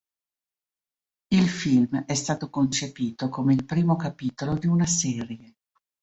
Il film è stato concepito come il primo capitolo di una serie.